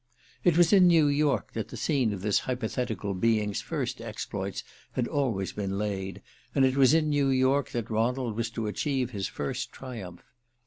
It was in New York that the scene of this hypothetical being's first exploits had always been laid; and it was in New York that Ronald was to achieve his first triumph.